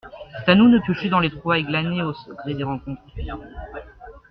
C’est à nous de piocher dans les trouvailles glanées au gré des rencontres.